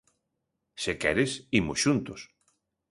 Se queres, ímos xuntos.